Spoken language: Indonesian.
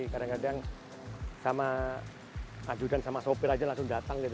kadang kadang sama ajudan sama sopir aja langsung datang gitu